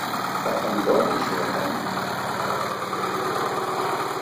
D taqenduṛt icebḥen.